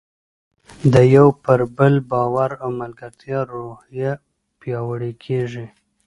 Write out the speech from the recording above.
د یو پر بل باور او ملګرتیا روحیه پیاوړې کیږي.